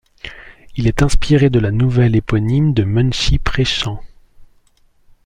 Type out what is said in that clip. Il est inspiré de la nouvelle éponyme de Munshi Premchand.